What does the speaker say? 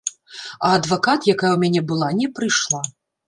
А адвакат, якая ў мяне была, не прыйшла.